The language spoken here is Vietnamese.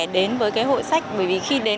đến với hội sách bởi vì khi đến